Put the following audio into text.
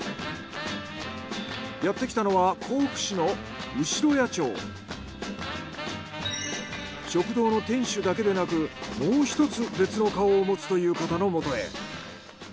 やってきたのは食堂の店主だけでなくもう１つ別の顔を持つという方のもとへ。